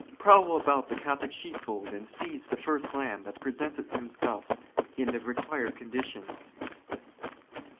" Prowl about the Catholic sheepfold and seize the first lamb that presents himself in the required conditions."